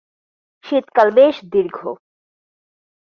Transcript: শীতকাল বেশ দীর্ঘ।